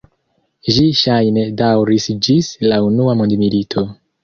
Ĝi ŝajne daŭris ĝis la unua mondmilito.